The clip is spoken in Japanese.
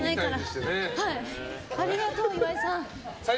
ありがとう、岩井さん。